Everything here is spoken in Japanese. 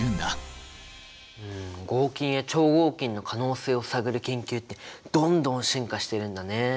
合金や超合金の可能性を探る研究ってどんどん進化してるんだね。